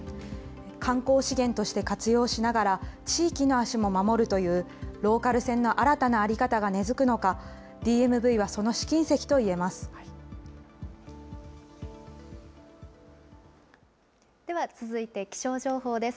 観光資源として活用しながら、地域の足も守るという、ローカル線の新たな在り方が根づくのか、ＤＭＶはその試金石といでは、続いて気象情報です。